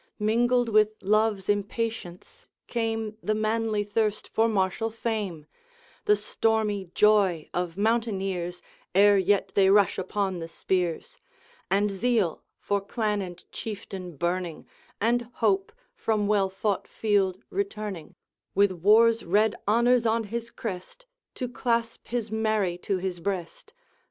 Mingled with love's impatience, came The manly thirst for martial fame; The stormy joy of mountaineers Ere yet they rush upon the spears; And zeal for Clan and Chieftain burning, And hope, from well fought field returning, With war's red honors on his crest, To clasp his Mary to his breast.